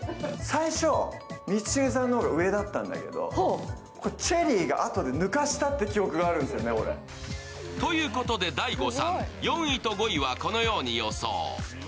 最初、ミスチルさんの方が上だったんだけど「チェリー」があとで抜かしたって記憶があるんですよね。ということでＤＡＩＧＯさん、４位と５位はこのように予想。